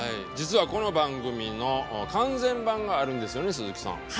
実はこの番組の完全版があるんですよね鈴木さん。